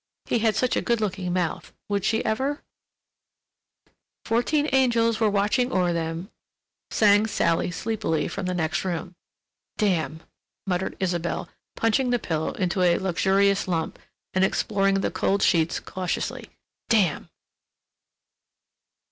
He had such a good looking mouth—would she ever—? "Fourteen angels were watching o'er them," sang Sally sleepily from the next room. "Damn!" muttered Isabelle, punching the pillow into a luxurious lump and exploring the cold sheets cautiously. "Damn!"